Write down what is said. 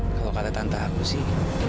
kalau kata tante aku sih